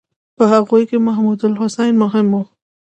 په هغوی کې محمودالحسن مهم و.